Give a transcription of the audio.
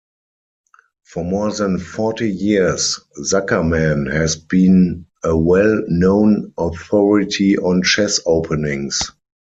For more than forty years, Zuckerman has been a well-known authority on chess openings.